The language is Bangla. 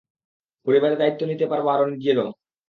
পরিবারের দায়িত্ব নিতে পারব আর নিজেরও!